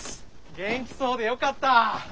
元気そうでよかった。